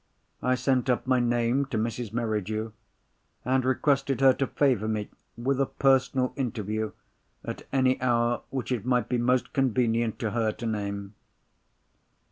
I sent up my name to Mrs. Merridew, and requested her to favour me with a personal interview at any hour which it might be most convenient to her to name.